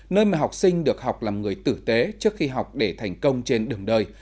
nơi mà học sinh được học làm người tử tế trước khi học để thành công trên đường đời